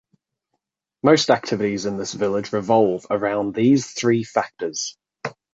Most activities in this village revolve around these three factors.